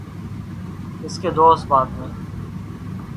اس کے دو اسباب ہیں۔